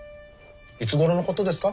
いつごろのことですか？